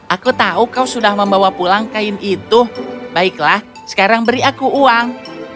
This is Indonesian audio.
aku tahu kau sudah membawa pulang kain itu baiklah sekarang beri aku uang